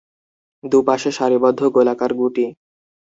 দু পাশে সারিবদ্ধ গোলাকার গুটি।